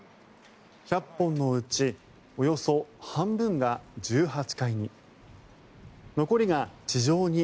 １００本のうちおよそ半分が１８階に。